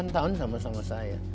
delapan tahun sama sama saya